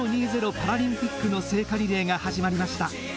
パラリンピックの聖火リレーが始まりました。